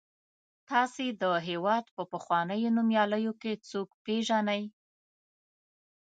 تاسې د هېواد په پخوانیو نومیالیو کې څوک پیژنئ.